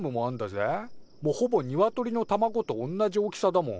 もうほぼニワトリの卵とおんなじ大きさだもん。